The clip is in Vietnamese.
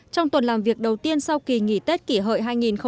trong tuần làm việc đầu tiên sau kỳ nghỉ tết kỷ hợi hai nghìn một mươi chín